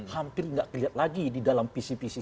hampir tidak kelihatan lagi di dalam visi visi